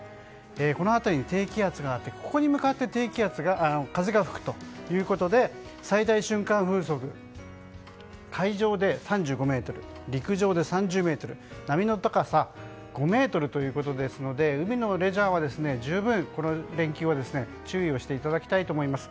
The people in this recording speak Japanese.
この辺りに低気圧があってここに向かって風が吹くということで、最大瞬間風速海上で３５メートル陸上で３０メートル波の高さ５ｍということですので海のレジャーは十分、この連休は注意をしていただきたいと思います。